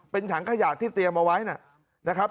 เป็นถังขยะที่เตรียมเอาไว้นะครับ